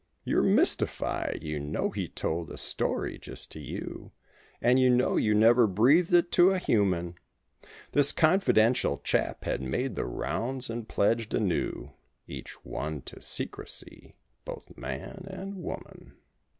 21 You're mystified. You know he told the story just to you, And you know you never breathed it to a human. This confidential chap had made the rounds and pledged anew Each one to secrecy—both man and woman.